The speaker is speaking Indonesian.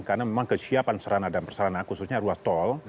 karena memang kesiapan serana dan perserana khususnya ruas tol